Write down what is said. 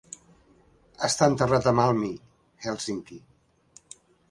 Està enterrat a Malmi, Hèlsinki.